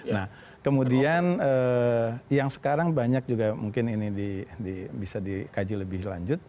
nah kemudian yang sekarang banyak juga mungkin ini bisa dikaji lebih lanjut